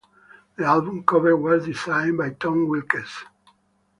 The album cover was designed by Tom Wilkes.